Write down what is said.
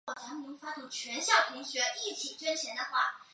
坎普博尼图是巴西巴拉那州的一个市镇。